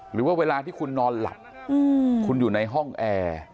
หรือว่าเวลาที่คุณนอนหลับคุณอยู่ในห้องแอร์